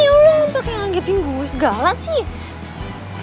ya allah empat yang anggetin gue segala sih